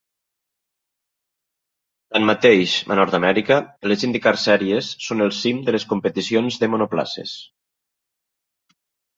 Tanmateix, a Nord-amèrica, les IndyCar Series són el cim de les competicions de monoplaces.